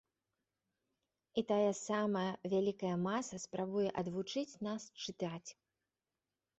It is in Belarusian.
І тая самая вялікая маса спрабуе адвучыць нас чытаць.